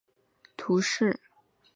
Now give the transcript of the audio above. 卢莫人口变化图示